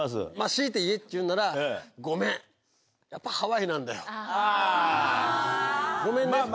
強いて言えっていうなら、ごめん、やっぱハワイなんだよ。ごめんね。